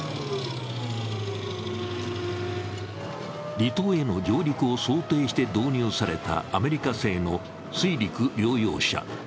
離島への上陸を想定して導入されたアメリカ製の水陸両用車。